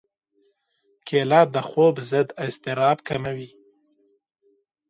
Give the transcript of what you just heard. کېله د خوب ضد اضطراب کموي.